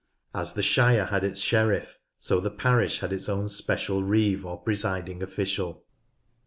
As the shire had its sheriff, so the parish had its own special reeve, or presiding official.